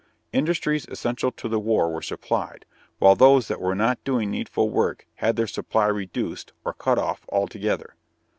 Industries essential to the war were supplied, while those that were not doing needful work had their supply reduced or cut off altogether.